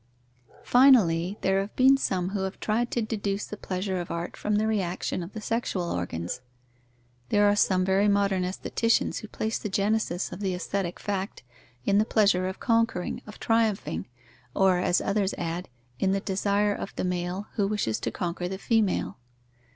_ Finally, there have been some who have tried to deduce the pleasure of art from the reaction of the sexual organs. There are some very modern aestheticians who place the genesis of the aesthetic fact in the pleasure of conquering, of triumphing, or, as others add, in the desire of the male, who wishes to conquer the female.